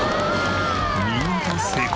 見事成功。